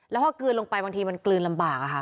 แล้วพอกลืนลงไปบางทีมันกลืนลำบากค่ะ